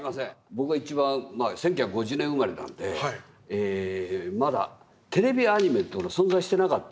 僕が一番１９５０年生まれなのでまだテレビアニメというのが存在してなかったので。